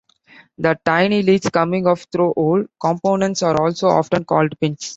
The tiny leads coming off through-hole components are also often called pins.